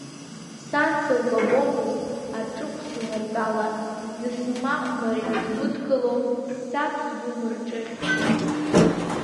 Сан сылкәабомызт аҿыҟә саныртәала, дысмахәмарит сгәыдкыло саб сгәы мырҿыӷь.